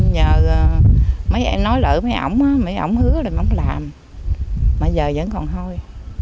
nhờ mấy anh nói lỡ mấy ổng á mấy ổng hứa là mấy ổng làm mà giờ vẫn còn hôi